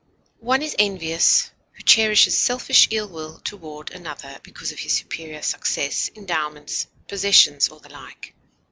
One is envious who cherishes selfish ill will toward another because of his superior success, endowments, possessions, or the like.